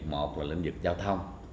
một là lĩnh vực giao thông